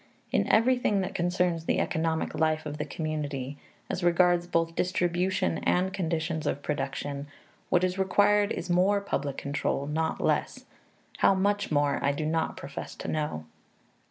In everything that concerns the economic life of the community, as regards both distribution and conditions of production, what is required is more public control, not less how much more, I do not profess to know.